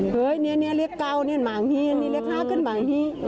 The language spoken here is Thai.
เฮ้ยนี่เลขเกานี่หมางฮีนี่เลขห้าขึ้นหมางฮี